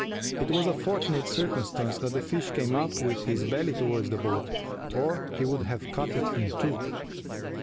It was a fortunate circumstance that the fish came up with his belly toward the boat, or he would have cut it in two.